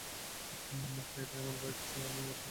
হ্যাঁ, এটা আমার বাইক, স্যার, আমিই অশোক কুমার।